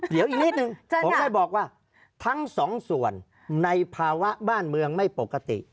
เดี๋ยวอีกนิดนึงผมได้บอกว่าทั้งสองส่วนในภาวะบ้านเมืองไม่ปกติ